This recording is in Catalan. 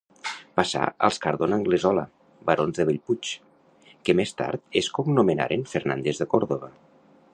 Passà als Cardona-Anglesola, barons de Bellpuig, que més tard es cognomenaren Fernández de Córdoba.